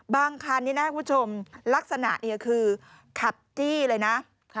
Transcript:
คันนี้นะคุณผู้ชมลักษณะเนี่ยคือขับจี้เลยนะ